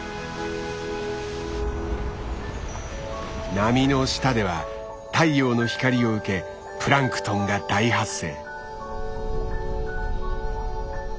波の下では太陽の光を受けプランクトンが大発生。